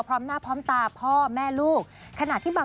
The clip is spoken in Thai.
พร้อมหน้าพร้อมตาพ่อแม่ลูก